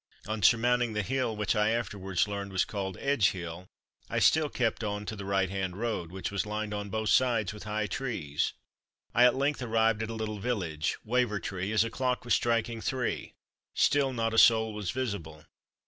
On surmounting the hill, which I afterwards learned was called Edge hill, I still kept on to the right hand road, which was lined on both sides with high trees. I at length arrived at a little village (Wavertree) as a clock was striking three; still not a soul was visible.